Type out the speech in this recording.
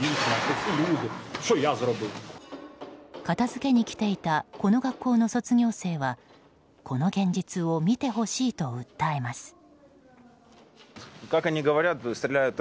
片付けに来ていたこの学校の卒業生はこの現実を見てほしいと訴えます。